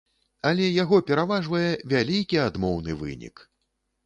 Але яго пераважвае вялікі адмоўны вынік!